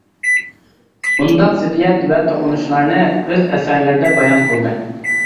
بۇنداق زىددىيەت ۋە توقۇنۇشلارنى ئۆز ئەسەرلىرىدە بايان قىلدى.